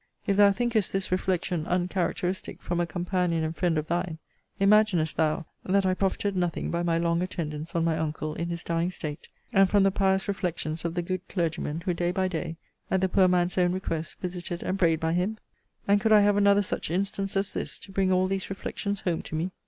If thou thinkest this reflection uncharacteristic from a companion and friend of thine, imaginest thou, that I profited nothing by my long attendance on my uncle in his dying state; and from the pious reflections of the good clergyman, who, day by day, at the poor man's own request, visited and prayed by him? And could I have another such instance, as this, to bring all these reflections home to me?